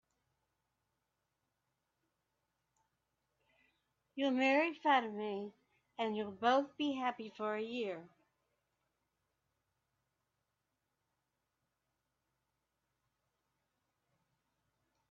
You'll marry Fatima, and you'll both be happy for a year.